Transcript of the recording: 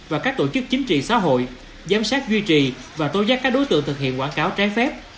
và các tổ chức chính trị xã hội giám sát duy trì và tố giác các đối tượng thực hiện quảng cáo trái phép